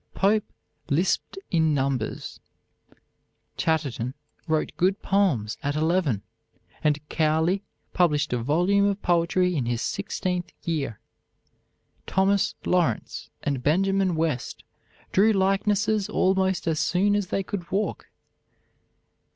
Pope "lisped in numbers." Chatterton wrote good poems at eleven, and Cowley published a volume of poetry in his sixteenth year. Thomas Lawrence and Benjamin West drew likenesses almost as soon as they could walk.